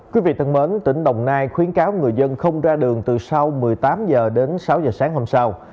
quý vị thân mến tỉnh đồng nai khuyến cáo người dân không ra đường từ sau một mươi tám h đến sáu h sáng hôm sau